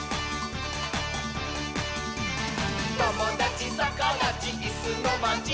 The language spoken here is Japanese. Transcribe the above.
「ともだちさかだちいすのまち」